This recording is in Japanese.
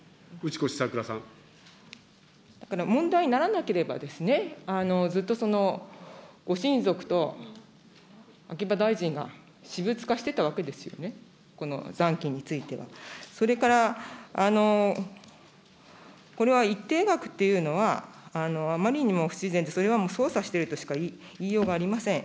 だから問題にならなければですね、ずっと、ご親族と秋葉大臣が私物化していたわけですよね、この残金については。それから、これは一定額というのは、あまりにも不自然で、それは操作しているとしか言いようがありません。